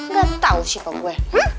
gak tau sih apa gue